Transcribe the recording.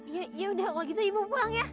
iya ya udah kalau gitu ibu pulang ya